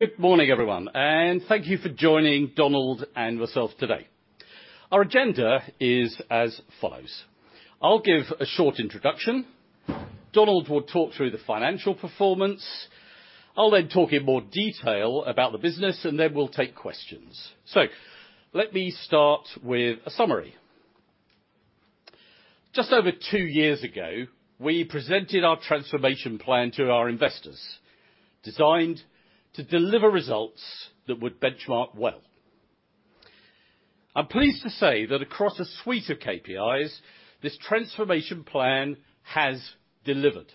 Good morning, everyone, and thank you for joining Donald and myself today. Our agenda is as follows: I'll give a short introduction, Donald will talk through the financial performance, I'll then talk in more detail about the business, and then we'll take questions. Let me start with a summary. Just over 2 years ago, we presented our transformation plan to our investors, designed to deliver results that would benchmark well. I'm pleased to say that across a suite of KPIs, this transformation plan has delivered,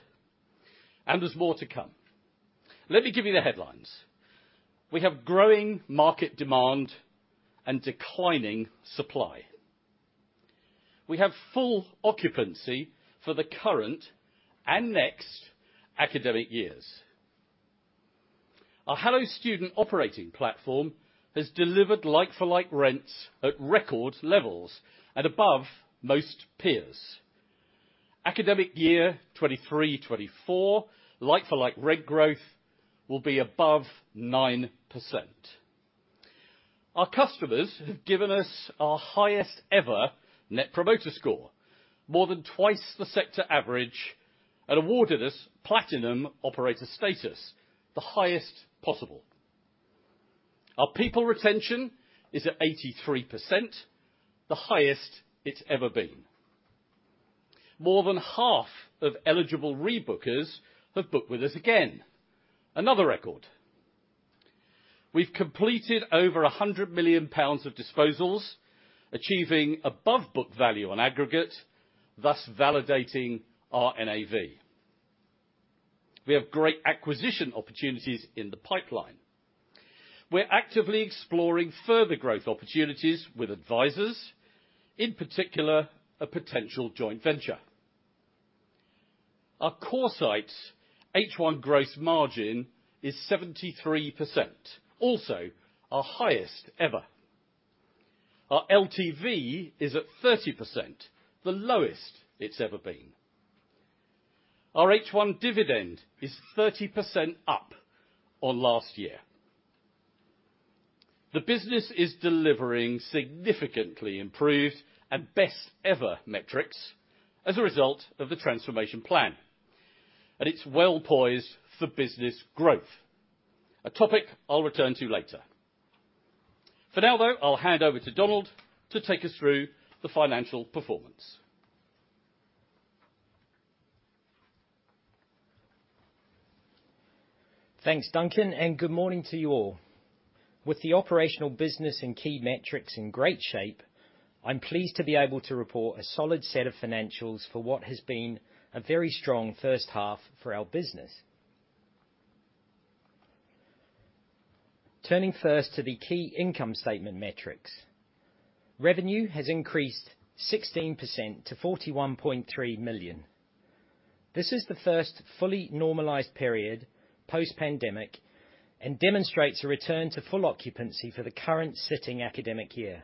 and there's more to come. Let me give you the headlines. We have growing market demand and declining supply. We have full occupancy for the current and next academic years. Our Hello Student operating platform has delivered like-for-like rents at record levels and above most peers. Academic year 2023, 2024, like-for-like rent growth will be above 9%. Our customers have given us our highest ever Net Promoter Score, more than twice the sector average, and awarded us Platinum operator status, the highest possible. Our people retention is at 83%, the highest it's ever been. More than half of eligible rebookers have booked with us again, another record. We've completed over 100 million pounds of disposals, achieving above book value on aggregate, thus validating our NAV. We have great acquisition opportunities in the pipeline. We're actively exploring further growth opportunities with advisors, in particular, a potential joint venture. Our core sites H1 gross margin is 73%, also our highest ever. Our LTV is at 30%, the lowest it's ever been. Our H1 dividend is 30% up on last year. The business is delivering significantly improved and best ever metrics as a result of the transformation plan, and it's well-poised for business growth, a topic I'll return to later. For now, though, I'll hand over to Donald to take us through the financial performance. Thanks, Duncan, and good morning to you all. With the operational business and key metrics in great shape, I'm pleased to be able to report a solid set of financials for what has been a very strong first half for our business. Turning first to the key income statement metrics. Revenue has increased 16% to 41.3 million. This is the first fully normalized period post-pandemic and demonstrates a return to full occupancy for the current sitting academic year,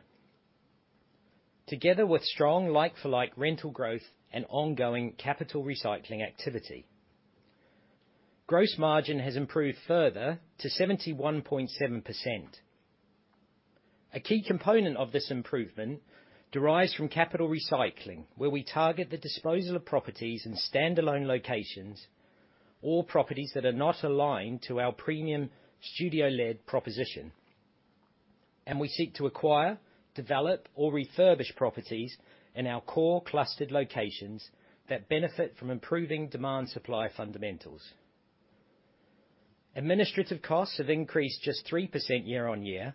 together with strong like-for-like rental growth and ongoing capital recycling activity. Gross margin has improved further to 71.7%. A key component of this improvement derives from capital recycling, where we target the disposal of properties in standalone locations or properties that are not aligned to our premium studio-led proposition, and we seek to acquire, develop, or refurbish properties in our core clustered locations that benefit from improving demand-supply fundamentals. Administrative costs have increased just 3% year-over-year.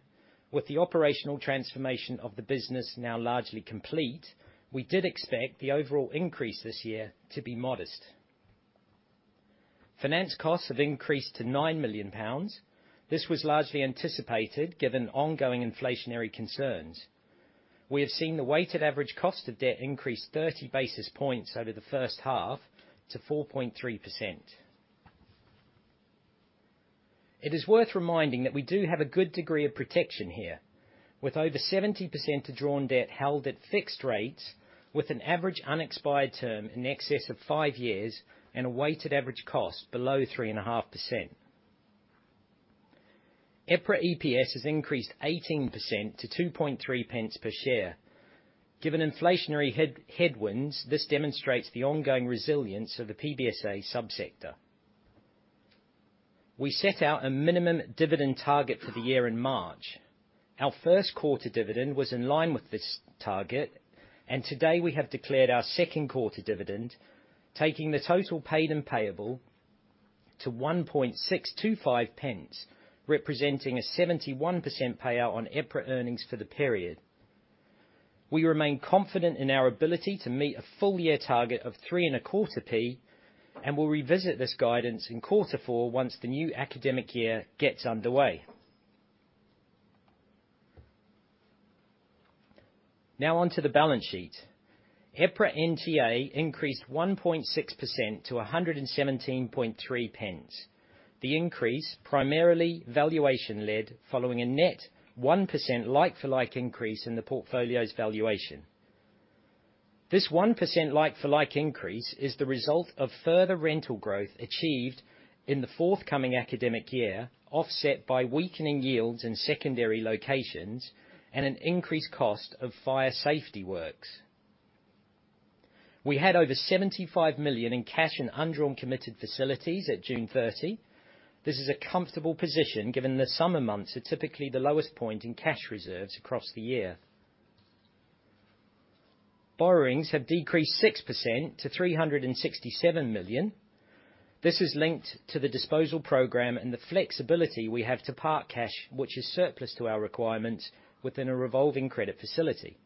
With the operational transformation of the business now largely complete, we did expect the overall increase this year to be modest. Finance costs have increased to 9 million pounds. This was largely anticipated, given ongoing inflationary concerns. We have seen the weighted average cost of debt increase 30 basis points over the first half to 4.3%. It is worth reminding that we do have a good degree of protection here, with over 70% of drawn debt held at fixed rates, with an average unexpired term in excess of five years and a weighted average cost below 3.5%. EPRA EPS has increased 18% to 0.023 per share. Given inflationary headwinds, this demonstrates the ongoing resilience of the PBSA sub-sector. We set out a minimum dividend target for the year in March. Our first quarter dividend was in line with this target, and today we have declared our second quarter dividend, taking the total paid and payable to 0.01625, representing a 71% payout on EPRA earnings for the period. We remain confident in our ability to meet a full year target of 3.25p, and we'll revisit this guidance in Q4 once the new academic year gets underway. Now on to the balance sheet. EPRA NTA increased 1.6% to 117.3p. The increase, primarily valuation-led, following a net 1% like-for-like increase in the portfolio's valuation. This 1% like-for-like increase is the result of further rental growth achieved in the forthcoming academic year, offset by weakening yields in secondary locations and an increased cost of fire safety works. We had over 75 million in cash and undrawn committed facilities at June 30. This is a comfortable position, given the summer months are typically the lowest point in cash reserves across the year. Borrowings have decreased 6% to 367 million. This is linked to the disposal program and the flexibility we have to park cash, which is surplus to our requirements within a revolving credit facility.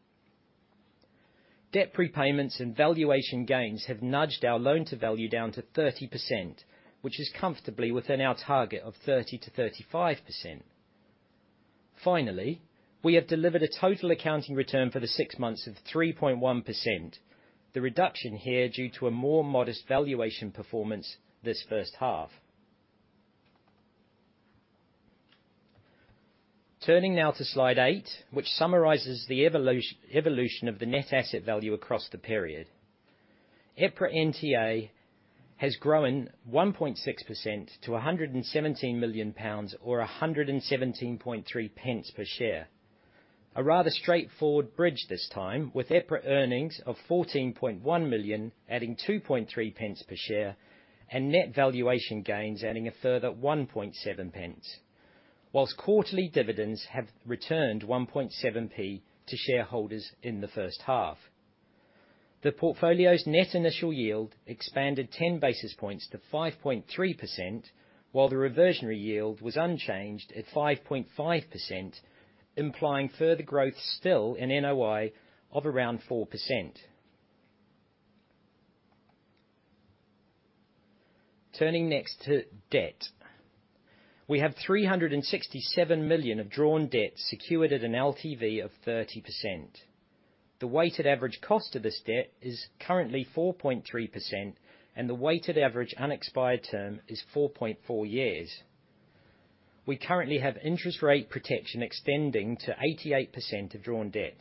Debt prepayments and valuation gains have nudged our loan-to-value down to 30%, which is comfortably within our target of 30%-35%. Finally, we have delivered a total accounting return for the six months of 3.1%. The reduction here due to a more modest valuation performance this first half. Turning now to slide eight, which summarizes the evolution of the net asset value across the period. EPRA NTA has grown 1.6% to 117 million pounds, or 117.3 pence per share. A rather straightforward bridge this time, with EPRA earnings of 14.1 million, adding 2.3 pence per share, and net valuation gains adding a further 1.7 pence. Whilst quarterly dividends have returned 1.7p to shareholders in the first half. The portfolio's net initial yield expanded 10 basis points to 5.3%, while the reversionary yield was unchanged at 5.5%, implying further growth still in NOI of around 4%. Turning next to debt. We have 367 million of drawn debt secured at an LTV of 30%. The weighted average cost of this debt is currently 4.3%, and the weighted average unexpired term is 4.4 years. We currently have interest rate protection extending to 88% of drawn debt.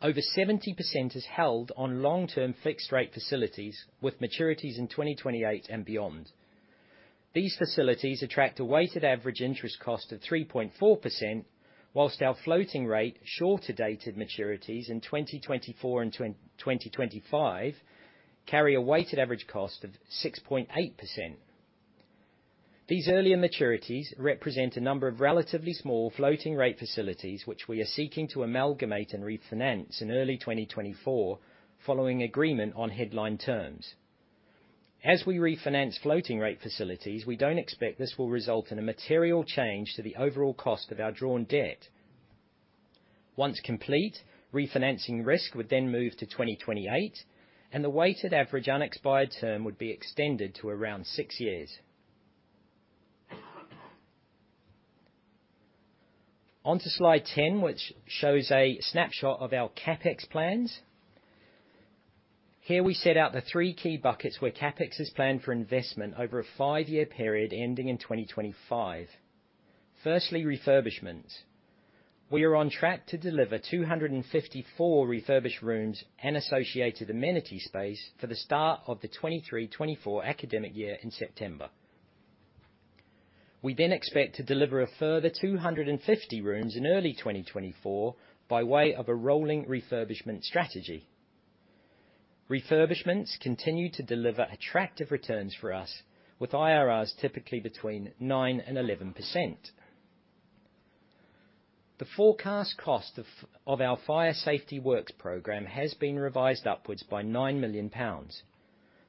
Over 70% is held on long-term fixed rate facilities with maturities in 2028 and beyond. These facilities attract a weighted average interest cost of 3.4%, whilst our floating rate, shorter dated maturities in 2024 and 2025, carry a weighted average cost of 6.8%. These earlier maturities represent a number of relatively small floating rate facilities, which we are seeking to amalgamate and refinance in early 2024, following agreement on headline terms. We refinance floating rate facilities, we don't expect this will result in a material change to the overall cost of our drawn debt. Once complete, refinancing risk would then move to 2028, and the weighted average unexpired term would be extended to around six years. On to slide 10, which shows a snapshot of our CapEx plans. Here we set out the three key buckets where CapEx is planned for investment over a five-year period, ending in 2025. Firstly, refurbishments. We are on track to deliver 254 refurbished rooms and associated amenity space for the start of the 2023-2024 academic year in September. We expect to deliver a further 250 rooms in early 2024 by way of a rolling refurbishment strategy. Refurbishments continue to deliver attractive returns for us, with IRRs typically between 9% and 11%. The forecast cost of our fire safety works program has been revised upwards by 9 million pounds.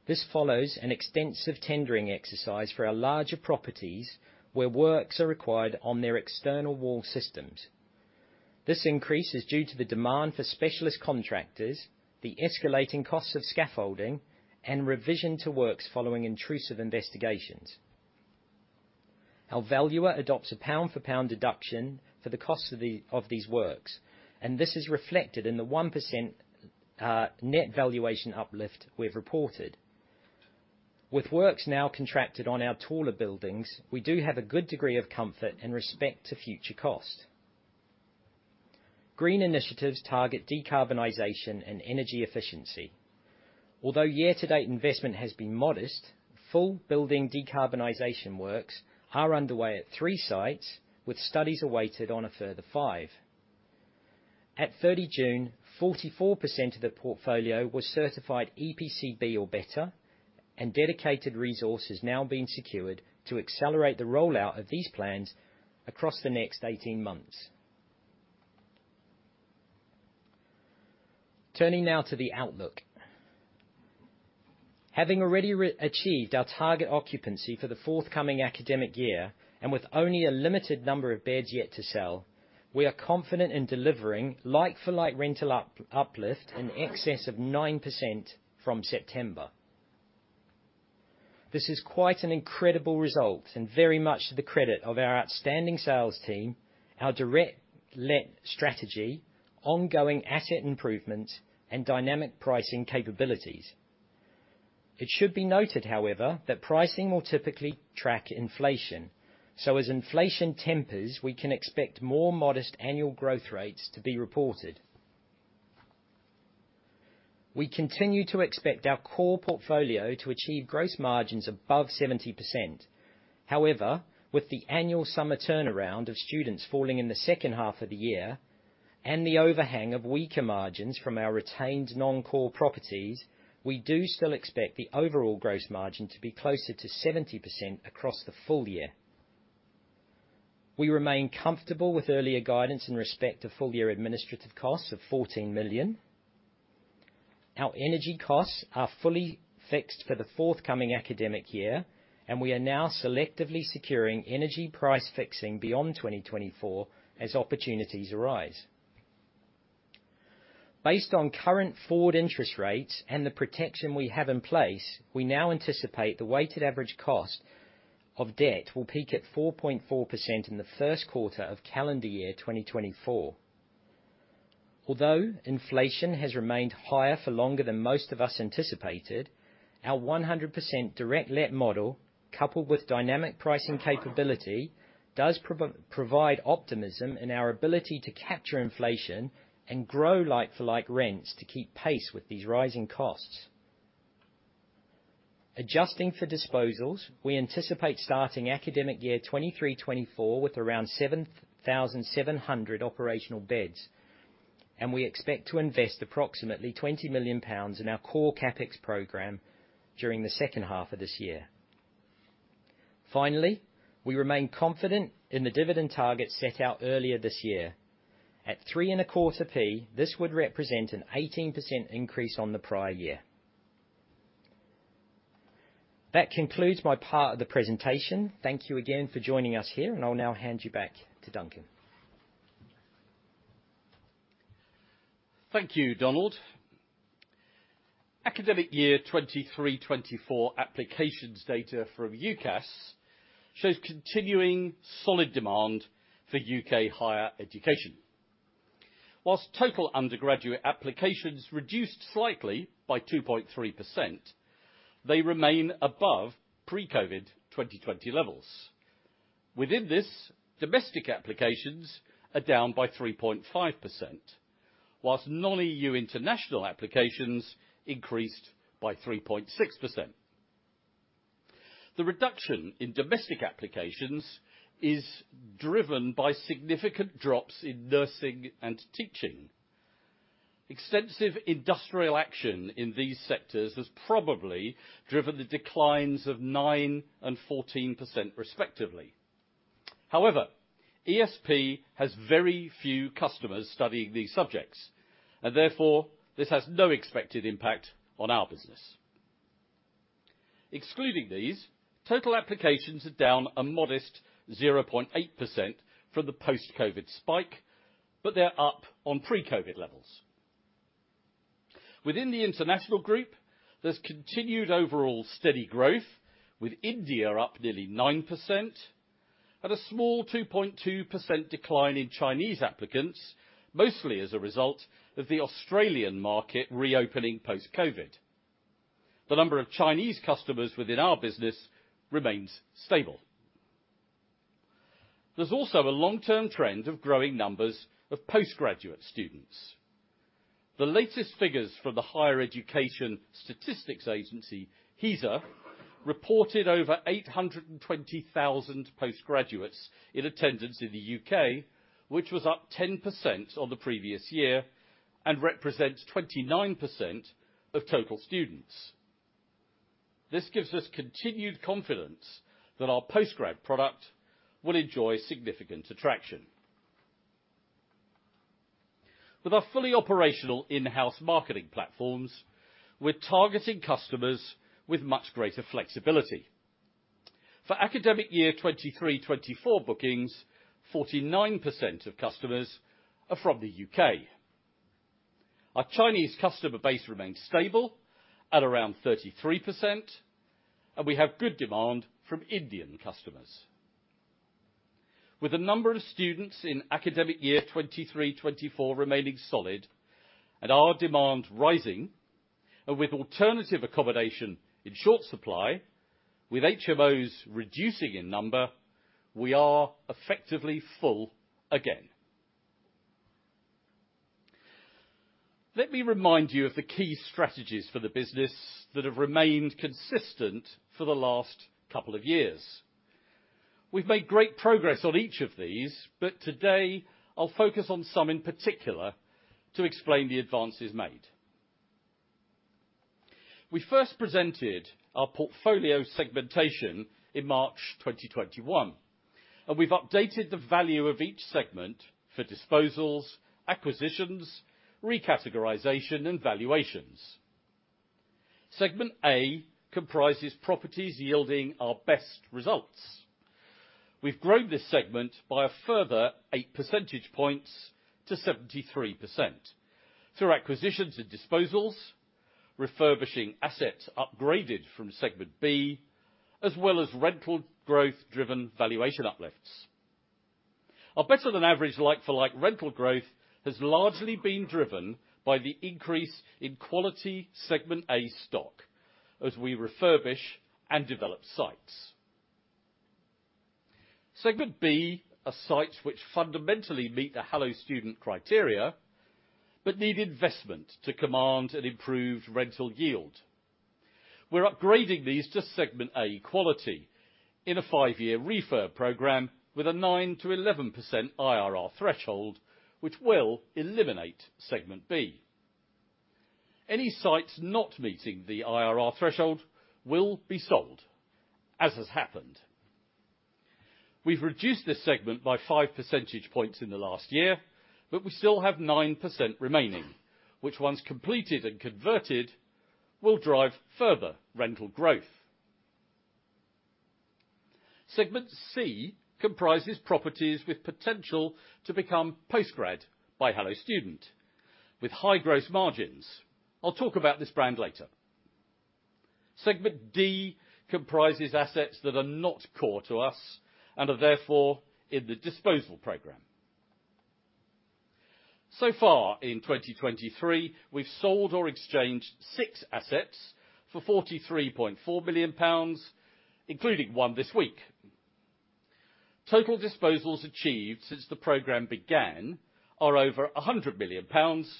This follows an extensive tendering exercise for our larger properties, where works are required on their external wall systems. This increase is due to the demand for specialist contractors, the escalating costs of scaffolding, and revision to works following intrusive investigations. Our valuer adopts a pound-for-pound deduction for the cost of these works. This is reflected in the 1% net valuation uplift we've reported. With works now contracted on our taller buildings, we do have a good degree of comfort in respect to future cost. Green initiatives target decarbonization and energy efficiency. Although year-to-date investment has been modest, full building decarbonization works are underway at 3 sites, with studies awaited on a further 5. At 30 June, 44% of the portfolio was certified EPC B or better, and dedicated resource is now being secured to accelerate the rollout of these plans across the next 18 months. Turning now to the outlook. Having already re-achieved our target occupancy for the forthcoming academic year, With only a limited number of beds yet to sell, we are confident in delivering like-for-like rental uplift in excess of 9% from September. This is quite an incredible result, Very much to the credit of our outstanding sales team, our direct let strategy, ongoing asset improvement, and dynamic pricing capabilities. It should be noted, however, that pricing will typically track inflation. As inflation tempers, we can expect more modest annual growth rates to be reported. We continue to expect our core portfolio to achieve gross margins above 70%. However, with the annual summer turnaround of students falling in the second half of the year, and the overhang of weaker margins from our retained non-core properties, we do still expect the overall gross margin to be closer to 70% across the full year. We remain comfortable with earlier guidance in respect to full year administrative costs of 14 million. Our energy costs are fully fixed for the forthcoming academic year, and we are now selectively securing energy price fixing beyond 2024 as opportunities arise. Based on current forward interest rates and the protection we have in place, we now anticipate the weighted average cost of debt will peak at 4.4% in the first quarter of calendar year 2024. Although inflation has remained higher for longer than most of us anticipated, our 100% direct let model, coupled with dynamic pricing capability, does provide optimism in our ability to capture inflation and grow like-for-like rents to keep pace with these rising costs. Adjusting for disposals, we anticipate starting academic year 2023, 2024 with around 7,700 operational beds, and we expect to invest approximately 20 million pounds in our core CapEx program during the second half of this year. Finally, we remain confident in the dividend target set out earlier this year. At 3.25p, this would represent an 18% increase on the prior year. That concludes my part of the presentation. Thank you again for joining us here, I'll now hand you back to Duncan. Thank you, Donald. Academic year 2023, 2024 applications data from UCAS shows continuing solid demand for UK higher education. While total undergraduate applications reduced slightly by 2.3%, they remain above pre-COVID 2020 levels. Within this, domestic applications are down by 3.5%, while non-EU international applications increased by 3.6%. The reduction in domestic applications is driven by significant drops in nursing and teaching. Extensive industrial action in these sectors has probably driven the declines of nine and 14% respectively. ESP has very few customers studying these subjects, and therefore, this has no expected impact on our business. Excluding these, total applications are down a modest 0.8% from the post-COVID spike, but they're up on pre-COVID levels. Within the international group, there's continued overall steady growth, with India up nearly 9% and a small 2.2% decline in Chinese applicants, mostly as a result of the Australian market reopening post-COVID. The number of Chinese customers within our business remains stable. There's also a long-term trend of growing numbers of postgraduate students. The latest figures from the Higher Education Statistics Agency, HESA, reported over 820,000 postgraduates in attendance in the U.K., which was up 10% on the previous year and represents 29% of total students. This gives us continued confidence that our Postgrad product will enjoy significant attraction. With our fully operational in-house marketing platforms, we're targeting customers with much greater flexibility. For academic year 2023, 2024 bookings, 49% of customers are from the U.K. Our Chinese customer base remains stable at around 33%, we have good demand from Indian customers. With the number of students in academic year 2023-2024 remaining solid and our demand rising, and with alternative accommodation in short supply, with HMOs reducing in number, we are effectively full again. Let me remind you of the key strategies for the business that have remained consistent for the last couple of years. We've made great progress on each of these, but today I'll focus on some in particular to explain the advances made. We first presented our portfolio segmentation in March 2021, we've updated the value of each segment for disposals, acquisitions, recategorization, and valuations. Segment A comprises properties yielding our best results. We've grown this segment by a further 8 percentage points to 73% through acquisitions and disposals, refurbishing assets upgraded from segment B, as well as rental growth-driven valuation uplifts. Our better than average like-for-like rental growth has largely been driven by the increase in quality Segment A stock, as we refurbish and develop sites. Segment B are sites which fundamentally meet the Hello Student criteria, but need investment to command an improved rental yield. We're upgrading these to Segment A quality in a 5-year refurb program with a 9%-11% IRR threshold, which will eliminate Segment B. Any sites not meeting the IRR threshold will be sold, as has happened. We've reduced this segment by 5 percentage points in the last year, but we still have 9% remaining, which once completed and converted, will drive further rental growth. Segment C comprises properties with potential to become Postgrad by Hello Student, with high gross margins. I'll talk about this brand later. Segment D comprises assets that are not core to us and are therefore in the disposal program. Far in 2023, we've sold or exchanged 6 assets for 43.4 million pounds, including 1 this week. Total disposals achieved since the program began are over 100 million pounds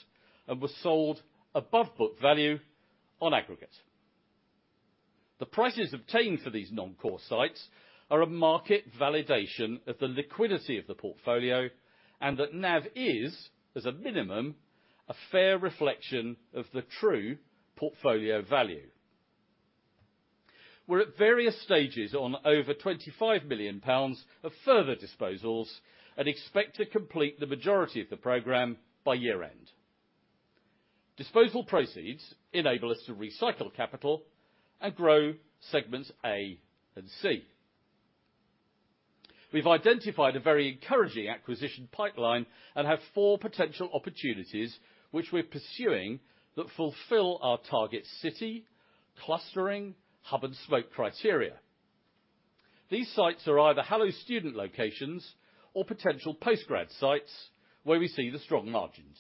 and were sold above book value on aggregate. The prices obtained for these non-core sites are a market validation of the liquidity of the portfolio, and that NAV is, as a minimum, a fair reflection of the true portfolio value. We're at various stages on over 25 million pounds of further disposals and expect to complete the majority of the program by year-end. Disposal proceeds enable us to recycle capital and grow Segments A and C. We've identified a very encouraging acquisition pipeline and have four potential opportunities which we're pursuing that fulfill our target city, clustering, hub and spoke criteria. These sites are either Hello Student locations or potential Postgrad sites where we see the strong margins.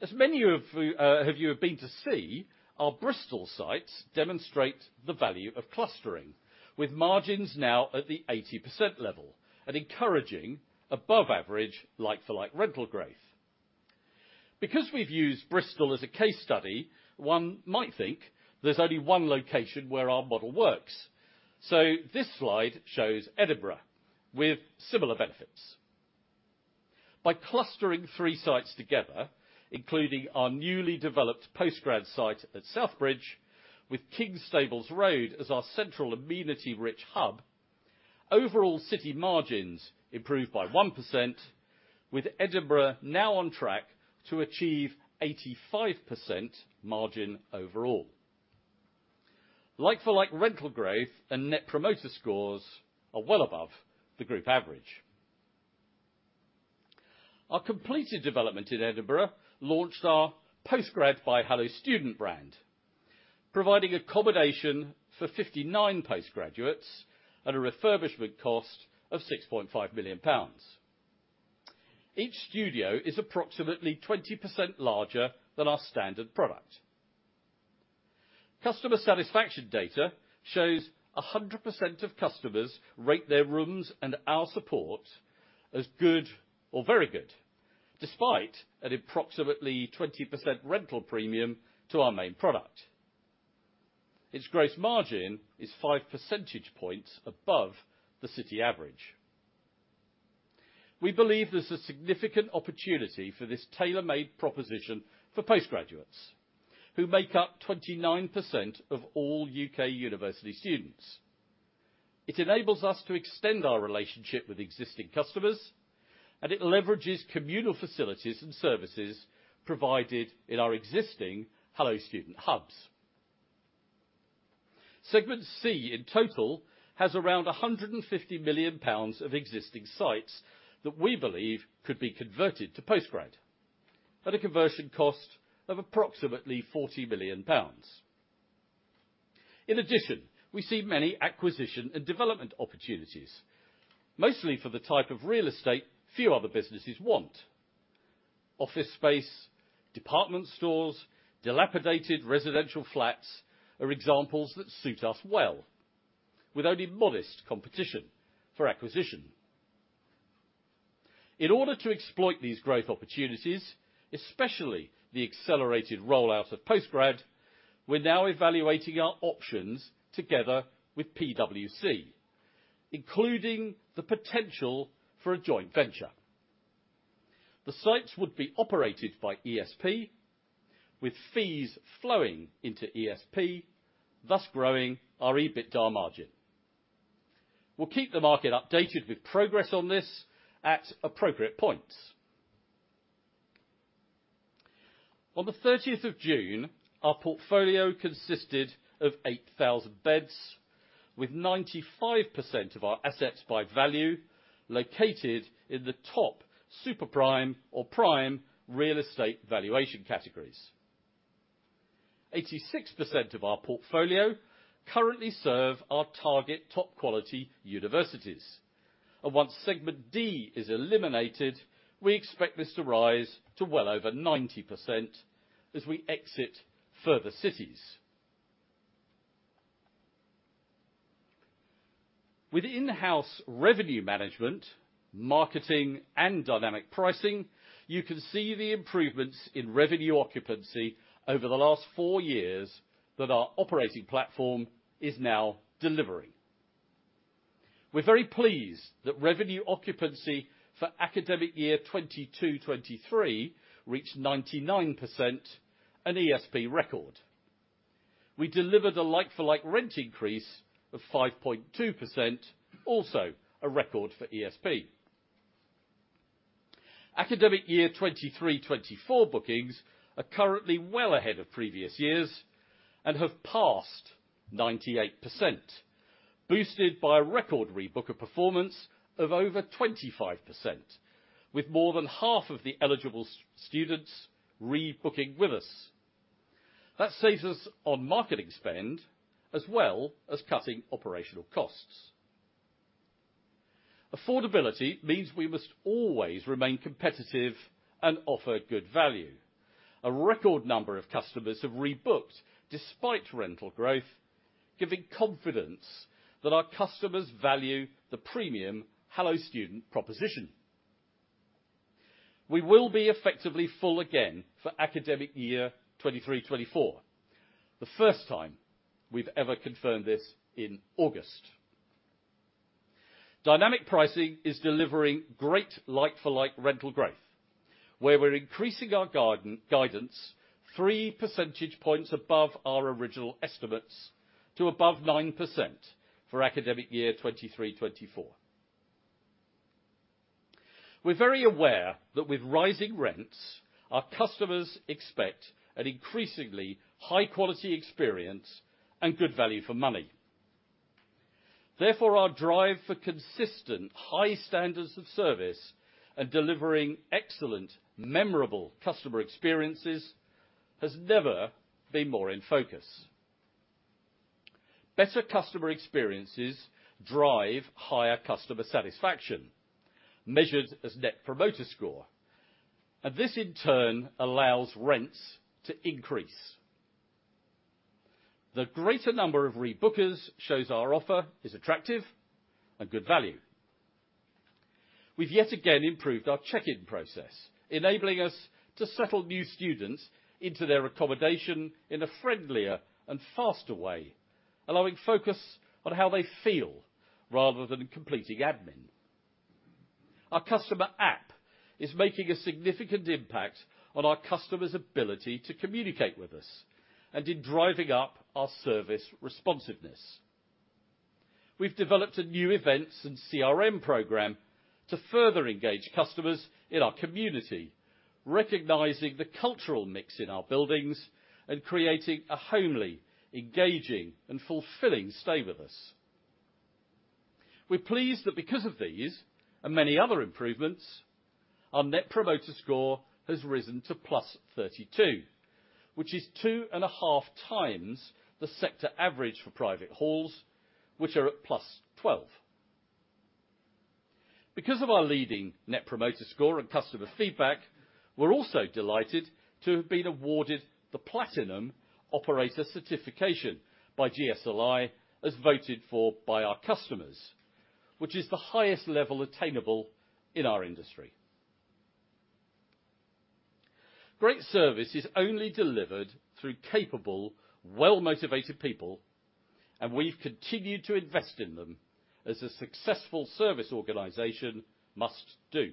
As many of you have you have been to see, our Bristol sites demonstrate the value of clustering, with margins now at the 80% level and encouraging above average like-for-like rental growth. Because we've used Bristol as a case study, one might think there's only one location where our model works. This slide shows Edinburgh with similar benefits. By clustering three sites together, including our newly developed Postgrad site at Southbridge, with King's Stables Road as our central amenity-rich hub, overall city margins improved by 1%, with Edinburgh now on track to achieve 85% margin overall. Like-for-like rental growth and Net Promoter Scores are well above the group average. Our completed development in Edinburgh launched our Postgrad by Hello Student brand, providing accommodation for 59 postgraduates at a refurbishment cost of 6.5 million pounds. Each studio is approximately 20% larger than our standard product. Customer satisfaction data shows 100% of customers rate their rooms and our support as good or very good, despite an approximately 20% rental premium to our main product. Its gross margin is 5 percentage points above the city average. We believe there's a significant opportunity for this tailor-made proposition for postgraduates, who make up 29% of all UK university students. It enables us to extend our relationship with existing customers, and it leverages communal facilities and services provided in our existing Hello Student hubs. Segment C in total has around 150 million pounds of existing sites that we believe could be converted to Postgrad at a conversion cost of approximately 40 million pounds. In addition, we see many acquisition and development opportunities, mostly for the type of real estate few other businesses want. Office space, department stores, dilapidated residential flats are examples that suit us well, with only modest competition for acquisition. In order to exploit these growth opportunities, especially the accelerated rollout of Postgrad, we're now evaluating our options together with PwC, including the potential for a joint venture. The sites would be operated by ESP, with fees flowing into ESP, thus growing our EBITDA margin. We'll keep the market updated with progress on this at appropriate points. On the 30th of June, our portfolio consisted of 8,000 beds, with 95% of our assets by value located in the top super prime or prime real estate valuation categories. 86% of our portfolio currently serve our target top-quality universities. Once segment D is eliminated, we expect this to rise to well over 90% as we exit further cities. With in-house revenue management, marketing, and dynamic pricing, you can see the improvements in revenue occupancy over the last four years that our operating platform is now delivering. We're very pleased that revenue occupancy for academic year 2022, 2023 reached 99%, an ESP record. We delivered a like-for-like rent increase of 5.2%, also a record for ESP. Academic year 2023, 2024 bookings are currently well ahead of previous years and have passed 98%, boosted by a record rebooker performance of over 25%, with more than half of the eligible students rebooking with us. That saves us on marketing spend, as well as cutting operational costs. Affordability means we must always remain competitive and offer good value. A record number of customers have rebooked despite rental growth, giving confidence that our customers value the premium Hello Student proposition. We will be effectively full again for academic year 2023, 2024, the first time we've ever confirmed this in August. Dynamic pricing is delivering great like-for-like rental growth, where we're increasing our guidance 3 percentage points above our original estimates to above 9% for academic year 2023, 2024. We're very aware that with rising rents, our customers expect an increasingly high-quality experience and good value for money. Therefore, our drive for consistent high standards of service and delivering excellent, memorable customer experiences has never been more in focus. Better customer experiences drive higher customer satisfaction, measured as Net Promoter Score, and this in turn allows rents to increase. The greater number of rebookers shows our offer is attractive and good value. We've yet again improved our check-in process, enabling us to settle new students into their accommodation in a friendlier and faster way, allowing focus on how they feel rather than completing admin. Our customer app is making a significant impact on our customers' ability to communicate with us and in driving up our service responsiveness. We've developed a new events and CRM program to further engage customers in our community, recognizing the cultural mix in our buildings and creating a homely, engaging, and fulfilling stay with us. We're pleased that because of these and many other improvements, our Net Promoter Score has risen to +32, which is 2.5 times the sector average for private halls, which are at +12. Because of our leading Net Promoter Score and customer feedback, we're also delighted to have been awarded the Platinum Certified Operator by GSLI, as voted for by our customers, which is the highest level attainable in our industry. Great service is only delivered through capable, well-motivated people, and we've continued to invest in them as a successful service organization must do.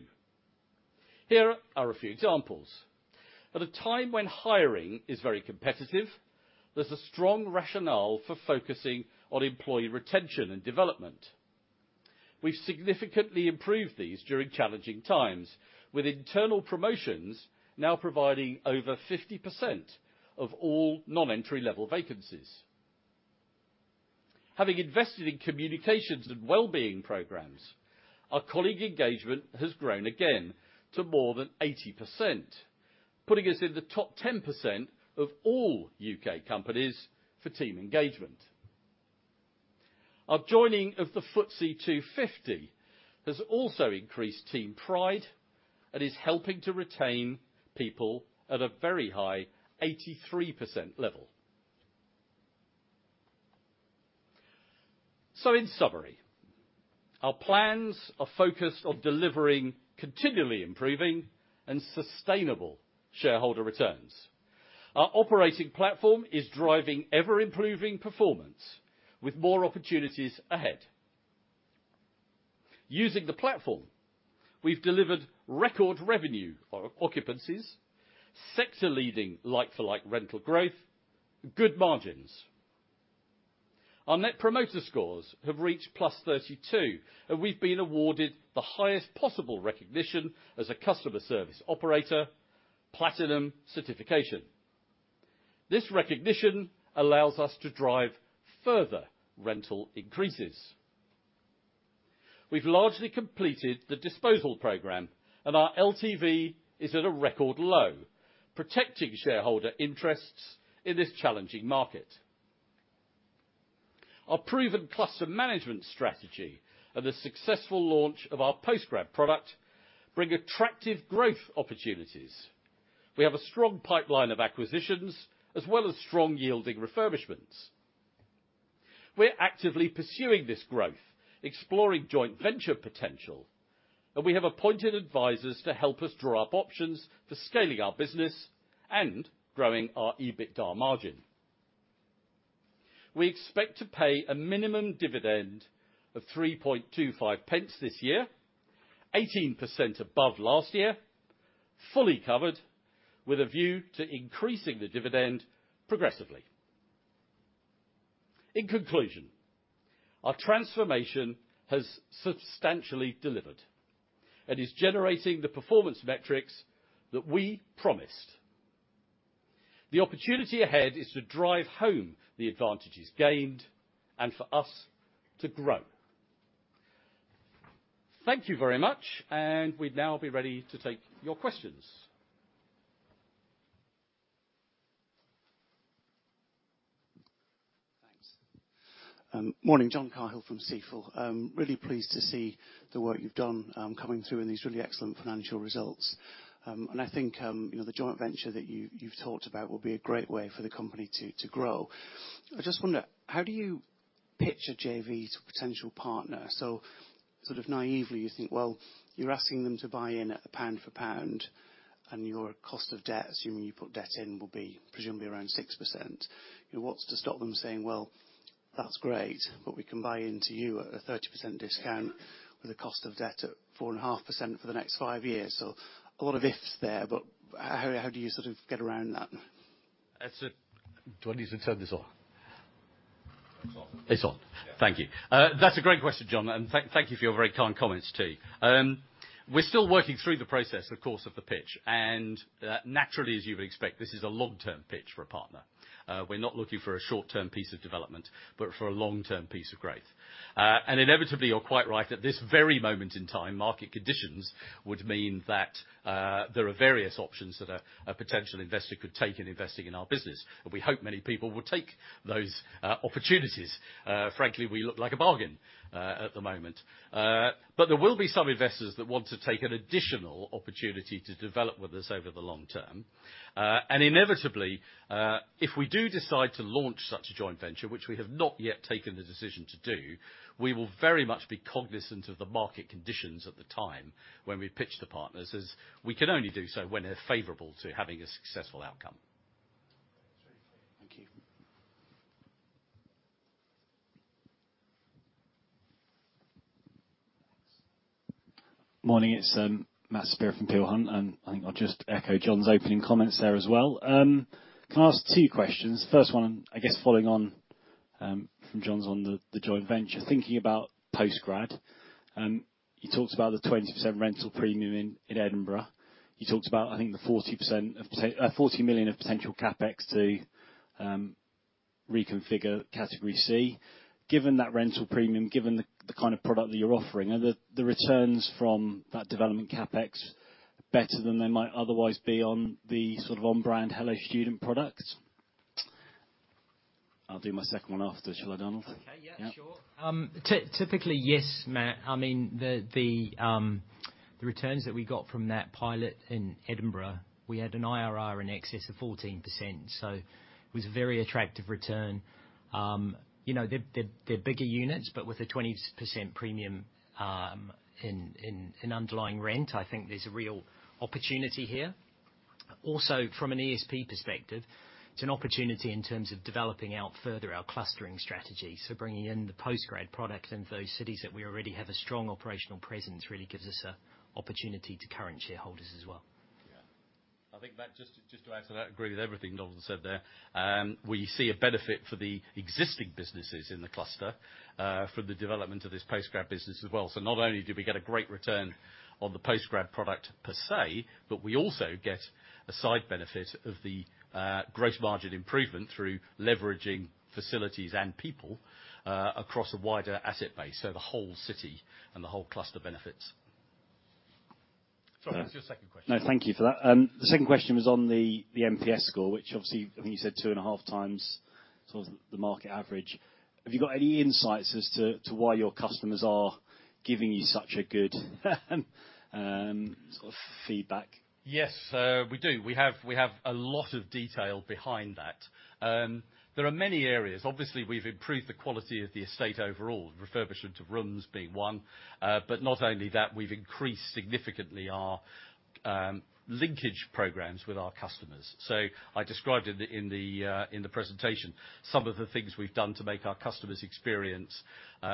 Here are a few examples. At a time when hiring is very competitive, there's a strong rationale for focusing on employee retention and development. We've significantly improved these during challenging times, with internal promotions now providing over 50% of all non-entry-level vacancies. Having invested in communications and wellbeing programs, our colleague engagement has grown again to more than 80%, putting us in the top 10% of all UK companies for team engagement. Our joining of the FTSE 250 has also increased team pride and is helping to retain people at a very high 83% level. In summary, our plans are focused on delivering continually improving and sustainable shareholder returns. Our operating platform is driving ever-improving performance with more opportunities ahead. Using the platform, we've delivered record revenue, occupancies, sector-leading like-for-like rental growth, good margins. Our Net Promoter Scores have reached +32, and we've been awarded the highest possible recognition as a customer service operator, Platinum Certification. This recognition allows us to drive further rental increases. We've largely completed the disposal program, and our LTV is at a record low, protecting shareholder interests in this challenging market. Our proven cluster management strategy and the successful launch of our Postgrad product bring attractive growth opportunities. We have a strong pipeline of acquisitions, as well as strong yielding refurbishments. We're actively pursuing this growth, exploring joint venture potential, and we have appointed advisors to help us draw up options for scaling our business and growing our EBITDA margin. We expect to pay a minimum dividend of 0.0325 this year, 18% above last year, fully covered, with a view to increasing the dividend progressively. In conclusion, our transformation has substantially delivered and is generating the performance metrics that we promised. The opportunity ahead is to drive home the advantages gained and for us to grow. Thank you very much, and we'd now be ready to take your questions. Thanks. morning, John Cahill from Stifel. I'm really pleased to see the work you've done, coming through in these really excellent financial results. I think, you know, the joint venture that you, you've talked about will be a great way for the company to, to grow. I just wonder, how do you pitch a JV to a potential partner? Sort of naively, you think, well, you're asking them to buy in at a pound for pound, and your cost of debt, assuming you put debt in, will be presumably around 6%. What's to stop them saying, "Well, that's great, but we can buy into you at a 30% discount with a cost of debt at 4.5% for the next five years?" A lot of ifs there, but how, how do you sort of get around that? That's it. Do I need to turn this on? It's on. It's on. Thank you. That's a great question, John, and thank, thank you for your very kind comments, too. We're still working through the process, of course, of the pitch. Naturally, as you'd expect, this is a long-term pitch for a partner. We're not looking for a short-term piece of development, but for a long-term piece of growth. Inevitably, you're quite right, at this very moment in time, market conditions would mean that there are various options that a potential investor could take in investing in our business, and we hope many people will take those opportunities. Frankly, we look like a bargain at the moment. There will be some investors that want to take an additional opportunity to develop with us over the long term. Inevitably, if we do decide to launch such a joint venture, which we have not yet taken the decision to do, we will very much be cognizant of the market conditions at the time when we pitch to partners, as we can only do so when they're favorable to having a successful outcome. Thank you. Morning, it's Matthew Spear from Peel Hunt, and I think I'll just echo John's opening comments there as well. Can I ask two questions? First one, I guess, following on from John's on the, the joint venture. Thinking about Postgrad, you talked about the 20% rental premium in, in Edinburgh. You talked about, I think, the 40% of pot-- 40 million of potential CapEx to reconfigure category C. Given that rental premium, given the, the kind of product that you're offering, are the, the returns from that development CapEx better than they might otherwise be on the sort of on-brand Hello Student product? I'll do my second one after, shall I, Donald? Okay. Yeah, sure. Yeah. Yes, Matt. The returns that we got from that pilot in Edinburgh, we had an IRR in excess of 14%, so it was a very attractive return. They're bigger units, but with a 20% premium in underlying rent, I think there's a real opportunity here. Also, from an ESP perspective, it's an opportunity in terms of developing out further our clustering strategy. Bringing in the Postgrad product into those cities that we already have a strong operational presence, really gives us a opportunity to current shareholders as well. Yeah. I think that just, just to add to that, I agree with everything Donald said there. We see a benefit for the existing businesses in the cluster for the development of this postgrad business as well. Not only do we get a great return on the postgrad product per se, but we also get a side benefit of the gross margin improvement through leveraging facilities and people across a wider asset base, so the whole city and the whole cluster benefits. John, what's your second question? No, thank you for that. The second question was on the NPS score, which obviously, I think you said 2.5 times sort of the market average. Have you got any insights as to why your customers are giving you such a good sort of feedback? Yes, we do. We have, we have a lot of detail behind that. There are many areas. Obviously, we've improved the quality of the estate overall, refurbishment of rooms being one. Not only that, we've increased significantly our linkage programs with our customers. I described in the, in the, in the presentation, some of the things we've done to make our customers' experience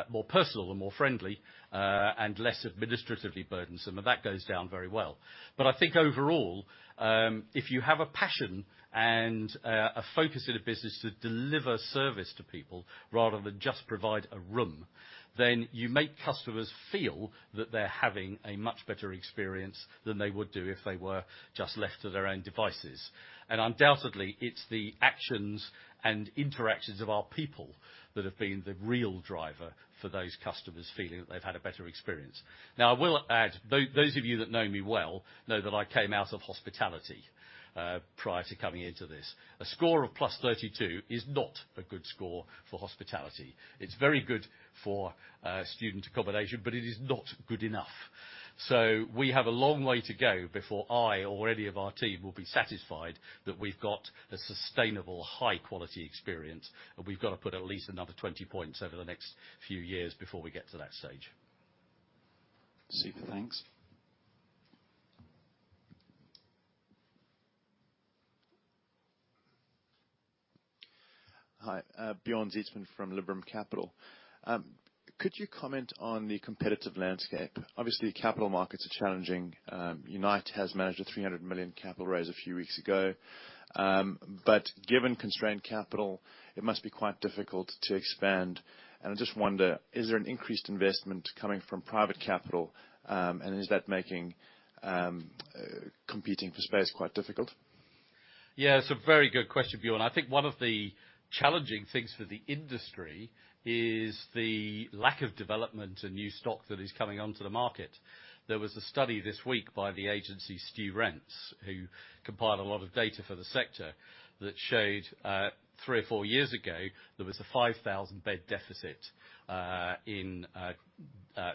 more personal and more friendly and less administratively burdensome, and that goes down very well. I think overall, if you have a passion and a focus in a business to deliver service to people rather than just provide a room, then you make customers feel that they're having a much better experience than they would do if they were just left to their own devices. Undoubtedly, it's the actions and interactions of our people that have been the real driver for those customers feeling that they've had a better experience. I will add, those of you that know me well, know that I came out of hospitality, prior to coming into this. A score of +32 is not a good score for hospitality. It's very good for student accommodation, but it is not good enough. We have a long way to go before I or any of our team will be satisfied that we've got a sustainable, high-quality experience, and we've got to put at least another 20 points over the next few years before we get to that stage. Super. Thanks. Hi, Bjorn Zietsman from Liberum Capital. Could you comment on the competitive landscape? Obviously, capital markets are challenging. Unite has managed a 300 million capital raise a few weeks ago. Given constrained capital, it must be quite difficult to expand. I just wonder, is there an increased investment coming from private capital, and is that making competing for space quite difficult? Yeah, it's a very good question, Bjorn. I think one of the challenging things for the industry is the lack of development and new stock that is coming onto the market. There was a study this week by the agency StuRents, who compiled a lot of data for the sector, that showed, 3 or 4 years ago, there was a 5,000 bed deficit, in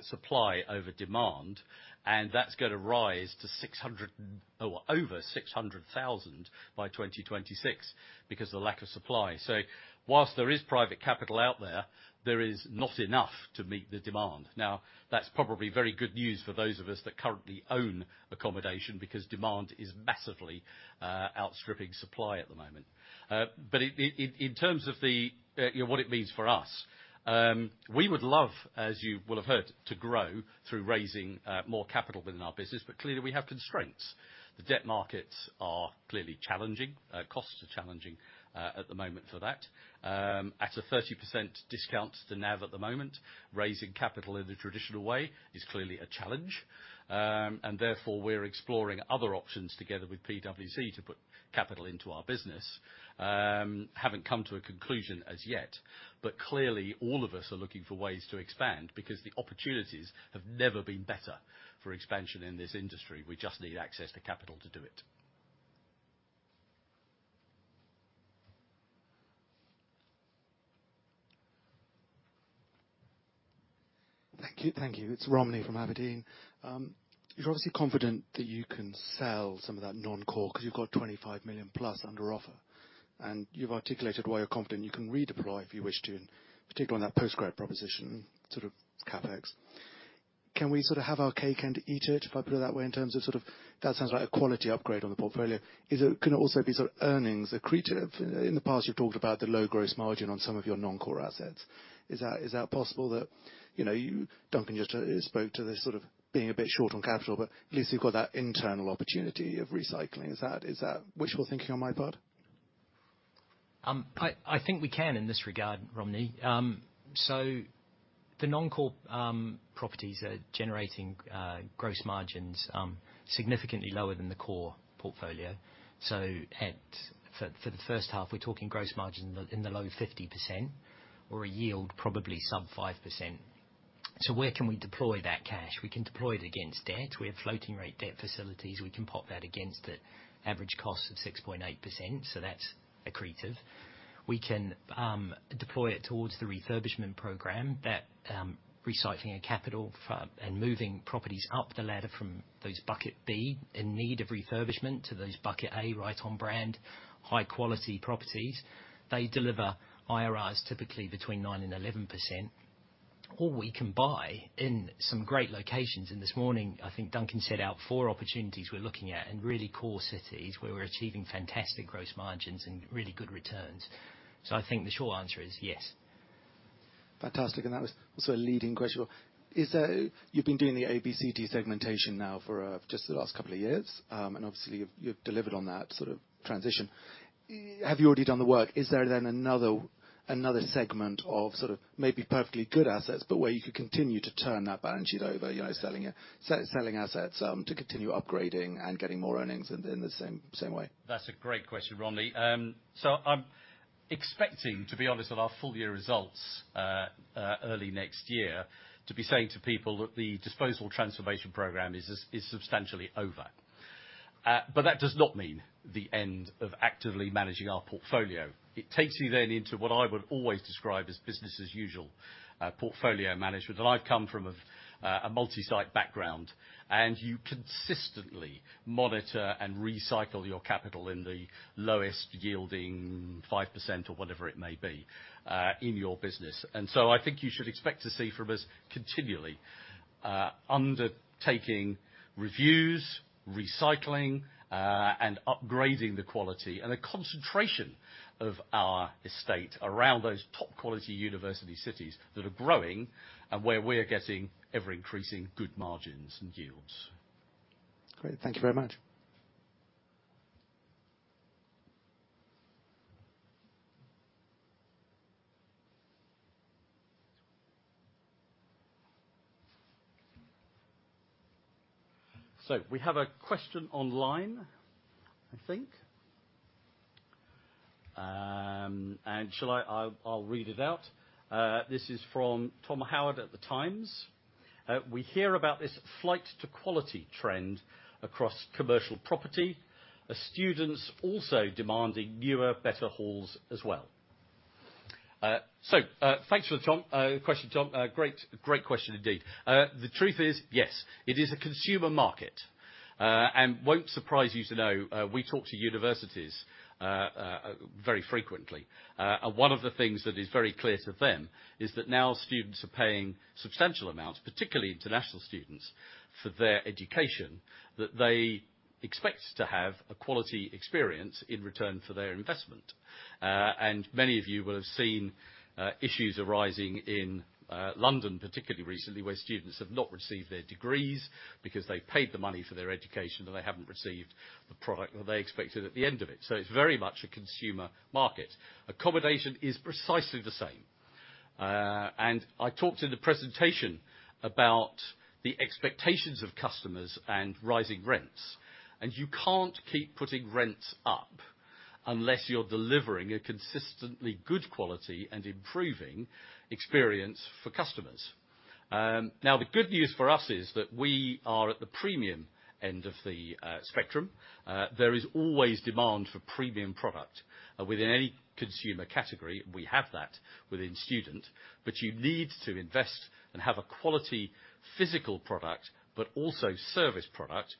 supply over demand, and that's going to rise to over 600,000 by 2026 because of the lack of supply. Whilst there is private capital out there, there is not enough to meet the demand. That's probably very good news for those of us that currently own accommodation, because demand is massively, outstripping supply at the moment. In, in, in terms of the, you know, what it means for us, we would love, as you will have heard, to grow through raising more capital within our business, but clearly, we have constraints. The debt markets are clearly challenging. Costs are challenging at the moment for that. At a 30% discount to NAV at the moment, raising capital in the traditional way is clearly a challenge. Therefore, we're exploring other options together with PwC to put capital into our business. Haven't come to a conclusion as yet, but clearly, all of us are looking for ways to expand because the opportunities have never been better for expansion in this industry. We just need access to capital to do it. Thank you. Thank you. It's Romney from Aberdeen. You're obviously confident that you can sell some of that non-core, because you've got 25 million plus under offer, and you've articulated why you're confident you can redeploy if you wish to, and particularly on that postgrad proposition, sort of CapEx. Can we sort of have our cake and eat it, if I put it that way, in terms of sort of. That sounds like a quality upgrade on the portfolio. Is it, can it also be sort of earnings accretive? In the past, you've talked about the low gross margin on some of your non-core assets. Is that, is that possible that, you know, you Duncan just spoke to this sort of being a bit short on capital, but at least you've got that internal opportunity of recycling. Is that, is that wishful thinking on my part? I, I think we can in this regard, Romney. The non-core properties are generating gross margins significantly lower than the core portfolio. For the first half, we're talking gross margin in the low 50% or a yield, probably sub 5%. Where can we deploy that cash? We can deploy it against debt. We have floating rate debt facilities. We can pop that against it. Average cost of 6.8%, so that's accretive. We can deploy it towards the refurbishment program that recycling our capital for, and moving properties up the ladder from those bucket B, in need of refurbishment, to those bucket A, right on brand, high quality properties. They deliver IRRs typically between 9% and 11%. We can buy in some great locations, and this morning, I think Duncan set out four opportunities we're looking at in really core cities, where we're achieving fantastic gross margins and really good returns. I think the short answer is yes. Fantastic. That was also a leading question. You've been doing the ABCD segmentation now for just the last couple of years, and obviously, you've, you've delivered on that sort of transition. Have you already done the work? Is there then another, another segment of sort of maybe perfectly good assets, but where you could continue to turn that balance sheet over, you know, selling it, selling, selling assets, to continue upgrading and getting more earnings in, in the same, same way? That's a great question, Romney. I'm expecting, to be honest, on our full year results, early next year, to be saying to people that the disposal transformation program is, is substantially over. That does not mean the end of actively managing our portfolio. It takes you then into what I would always describe as business as usual, portfolio management. I've come from a multi-site background, and you consistently monitor and recycle your capital in the lowest yielding 5% or whatever it may be, in your business. I think you should expect to see from us continually, undertaking reviews, recycling, and upgrading the quality and the concentration of our estate around those top quality university cities that are growing and where we're getting ever-increasing good margins and yields. Great. Thank you very much. We have a question online. Shall I, I'll read it out. This is from Tom Howard at The Times. "We hear about this flight to quality trend across commercial property. Are students also demanding newer, better halls as well?" Thanks for the question, Tom. Great question indeed. The truth is, yes, it is a consumer market, and won't surprise you to know, we talk to universities very frequently. One of the things that is very clear to them is that now students are paying substantial amounts, particularly international students, for their education, that they expect to have a quality experience in return for their investment. Many of you will have seen issues arising in London, particularly recently, where students have not received their degrees because they've paid the money for their education, and they haven't received the product that they expected at the end of it. So it's very much a consumer market. Accommodation is precisely the same. And I talked in the presentation about the expectations of customers and rising rents, and you can't keep putting rents up unless you're delivering a consistently good quality and improving experience for customers. Now, the good news for us is that we are at the premium end of the spectrum. There is always demand for premium product. Within any consumer category, we have that within student, you need to invest and have a quality physical product, also service product,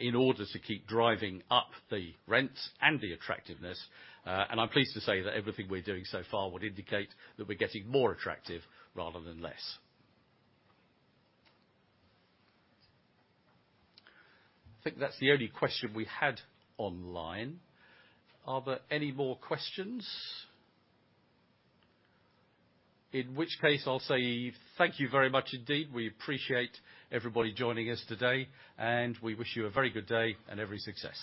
in order to keep driving up the rents and the attractiveness. I'm pleased to say that everything we're doing so far would indicate that we're getting more attractive rather than less. I think that's the only question we had online. Are there any more questions? In which case, I'll say thank you very much indeed. We appreciate everybody joining us today, we wish you a very good day and every success.